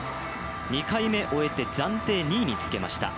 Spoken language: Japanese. ２回目終えて暫定２位につけました。